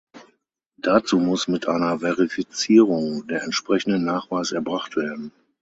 Dazu muss mit einer Verifizierung der entsprechende Nachweis erbracht werden.